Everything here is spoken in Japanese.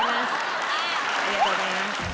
ありがとうございます。